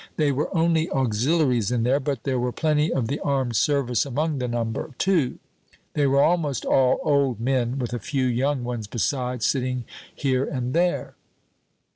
They were only auxiliaries in there, but there were plenty of the armed service among the number, too. They were almost all old men, with a few young ones besides, sitting here and there.